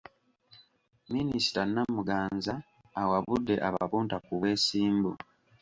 Minisita Namuganza awabudde abapunta ku bwesimbu.